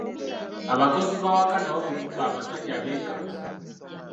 Abakozi b’awaka nabo mu kubba abasajja beekansa.